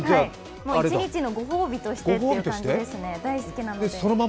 一日のご褒美という感じですね、大好きなので。